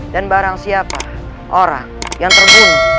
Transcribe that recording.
dan barang siapa orang yang terbunuh